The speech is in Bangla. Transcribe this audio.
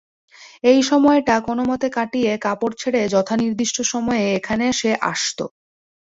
এই সময়টা কোনোমতে কাটিয়ে কাপড় ছেড়ে যথানির্দিষ্ট সময়ে এখানে সে আসত।